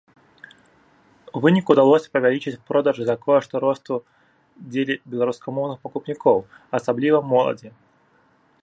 У выніку ўдалося павялічыць продажы за кошт росту дзелі беларускамоўных пакупнікоў, асабліва моладзі.